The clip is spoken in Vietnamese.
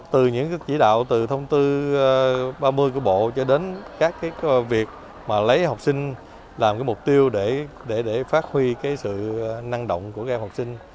từ những cái chỉ đạo từ thông tư ba mươi của bộ cho đến các cái việc mà lấy học sinh làm cái mục tiêu để phát huy cái sự năng động của các học sinh